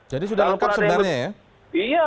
jadi nominal ways videonya seperti apa ya